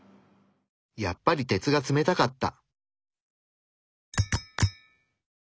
やっぱり鉄が冷たかった。